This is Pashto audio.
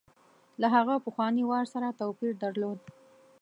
له هغه پخواني وار سره توپیر درلود.